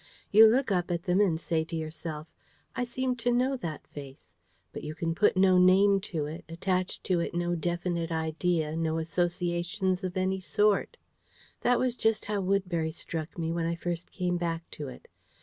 You look up at them and say to yourself, "I seem to know that face"; but you can put no name to it, attach to it no definite idea, no associations of any sort. That was just how Woodbury struck me when I first came back to it.